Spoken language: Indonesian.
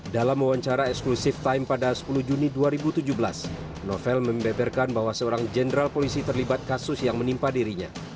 dalam wawancara eksklusif time pada sepuluh juni dua ribu tujuh belas novel membeberkan bahwa seorang jenderal polisi terlibat kasus yang menimpa dirinya